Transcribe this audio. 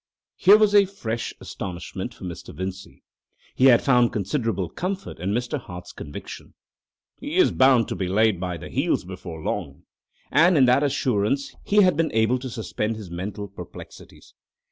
Here was a fresh astonishment for Mr. Vincey. He had found considerable comfort in Mr. Hart's conviction: "He is bound to be laid by the heels before long," and in that assurance he had been able to suspend his mental perplexities.